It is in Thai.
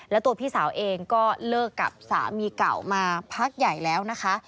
แล้วตัวพี่สาวเองก็เลิกกับสามีเก่ามาพักใหญ่แล้วนะคะ